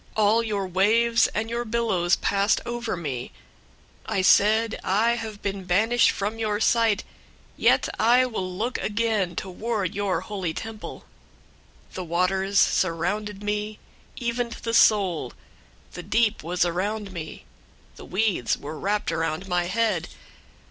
All your waves and your billows passed over me. 002:004 I said, 'I have been banished from your sight; yet I will look again toward your holy temple.' 002:005 The waters surrounded me, even to the soul. The deep was around me. The weeds were wrapped around my head.